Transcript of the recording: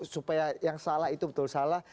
supaya yang salah itu betul salah